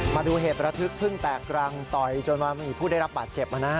มาดูเหตุระทึกเพิ่งแตกรังต่อยจนมามีผู้ได้รับบาดเจ็บ